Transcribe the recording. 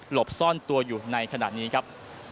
บซ่อนตัวอยู่ในขณะนี้ครับ